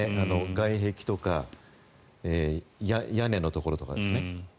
外壁とか屋根のところとかですね。